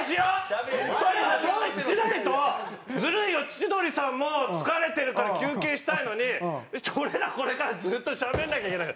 千鳥さんも疲れてるから休憩したいのに俺らこれからずっとしゃべんなきゃいけない。